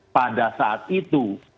pada saat itu